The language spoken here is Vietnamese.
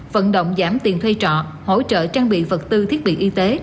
vận động giảm tiền thuê trọ hỗ trợ trang bị vật tư thiết bị y tế